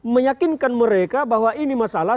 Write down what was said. meyakinkan mereka bahwa ini masalah